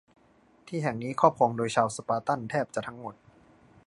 ที่แห่งนี้ครอบครองโดยชาวสปาร์ตันแทบจะทั้งหมด